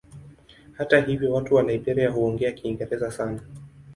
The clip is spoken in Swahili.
Hata hivyo watu wa Liberia huongea Kiingereza sana.